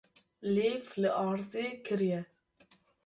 Lêv li erdê kiriye.